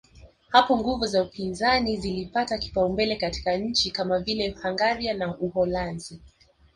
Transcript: Hapo nguvu za upinzani zilipata kipaumbele katika nchi kama vile Hungaria na Uholanzi